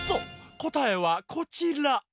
こたえはこちら！